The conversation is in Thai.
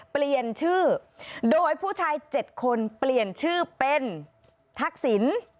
เปลี่ยนชื่อโดยผู้ชาย๗คนเปลี่ยนชื่อเป็นทักษิณ